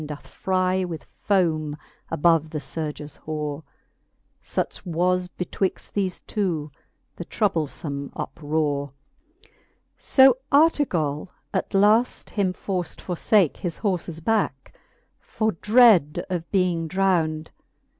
Doth frie with fome above the furges horer Such was betwixt thefe two the troublefome uprore. XVI. So Artegall at length him forft forfake His horfes backe, for dread of being drownd.